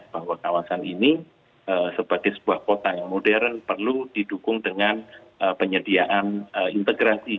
bahwa kawasan ini sebagai sebuah kota yang modern perlu didukung dengan penyediaan integrasi